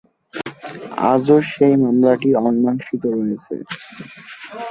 আজও যেই মামলাটি অমীমাংসিত রয়েছে।